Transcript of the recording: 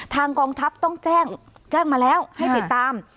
กองทัพต้องแจ้งมาแล้วให้ติดตาม